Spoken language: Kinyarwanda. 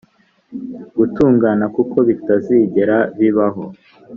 gutungana kuko bitazigera bibaho